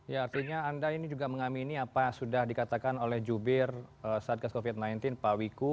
ya artinya anda ini juga mengamini apa yang sudah dikatakan oleh jubir satgas covid sembilan belas pak wiku